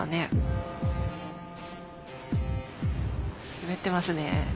滑ってますね。